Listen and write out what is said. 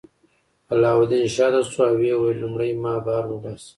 علاوالدین شاته شو او ویې ویل لومړی ما بهر وباسه.